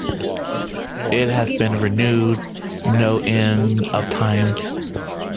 It has been renewed no end of times.